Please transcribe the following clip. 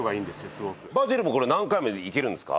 バジルもこれ何回もいけるんですか？